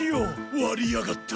割りやがった。